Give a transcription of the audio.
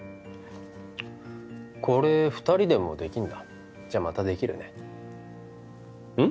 これ二人でもできんだじゃまたできるねうん？